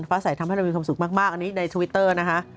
ใส่ทำให้เรามีความสุขมากอันนี้ในทวิตเตอร์นะคะ